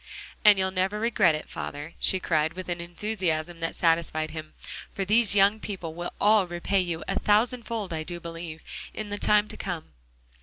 "And you'll never regret it, father," she cried, with an enthusiasm that satisfied him, "for these young people will all repay you a thousand fold, I do believe, in the time to come."